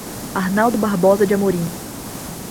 Arnaldo Barbosa de Amorim